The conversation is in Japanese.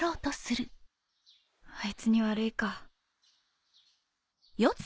あいつに悪いか。